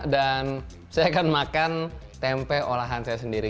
dan saya akan makan tempe olahan saya sendiri